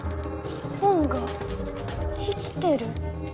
本が生きてる？